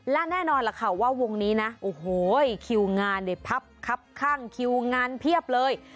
และแน่นอนล่ะค่ะว่าวงนี้นะโอ้โหคิวงานเนี่ยพับครับข้างคิวงานเพียบเลย